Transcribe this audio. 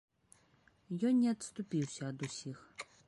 Ён не адступіўся ад усіх.